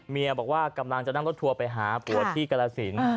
เมียบอกว่ากำลังจะรถทัวร์ไปหาผัวที่กลสิน